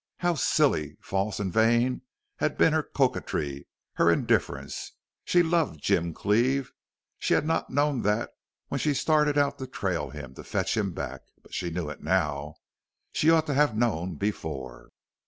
How silly, false, and vain had been her coquetry, her indifference! She loved Jim Cleve. She had not known that when she started out to trail him, to fetch him back, but she knew it now. She ought to have known before.